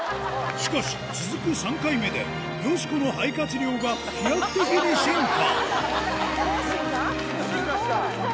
しかし、続く３回目で、よしこの肺活量が飛躍的に進化。